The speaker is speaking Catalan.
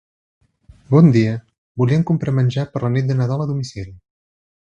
Bon dia, volíem comprar menjar per la nit de Nadal a domicili.